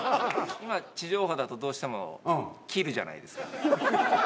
今地上波だとどうしても切るじゃないですか。